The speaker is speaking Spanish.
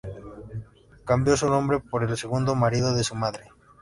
Cambió su nombre por el segundo marido de su madre.